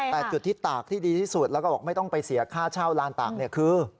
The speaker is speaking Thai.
แต่จุดที่ตากที่ดีที่สุดแล้วก็บอกไม่ต้องไปเสียค่าเช่าลานตากเนี่ยคือ